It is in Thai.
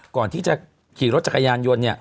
ก่อนที่จะขี่รถจักรยานยนต์เนี่ย